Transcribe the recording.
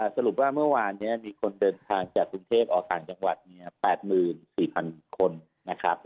สรุปว่าเมื่อวานมีคนเดินทางจากสุนเทพฯออกทางจังหวัด๘๔๐๐๐คน